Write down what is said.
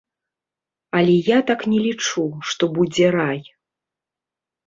Але я так не лічу, што будзе рай.